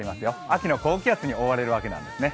秋の高気圧に覆われるわけですね。